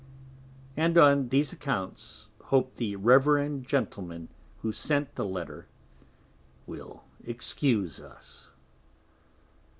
And on these Accounts hope the Reverend Gentleman who sent the Letter will excuse Us.